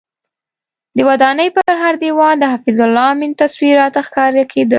د ودانۍ پر هر دیوال د حفیظ الله امین تصویر راته ښکاره کېده.